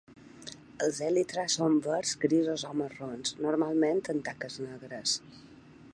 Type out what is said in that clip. Els elytra són verds, grisos o marrons, normalment amb taques negres.